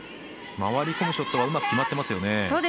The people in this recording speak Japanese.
回り込むショットはうまく決まってますよね。